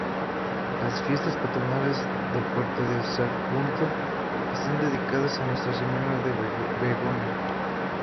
Las fiestas patronales de Puerto de Sagunto están dedicadas a Nuestra Señora de Begoña.